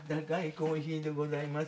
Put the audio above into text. コーヒーでございます。